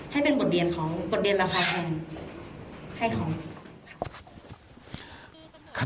ให้เป็นบทเรียนของบทเรียนราคาแพงให้เขา